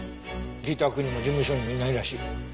自宅にも事務所にもいないらしい。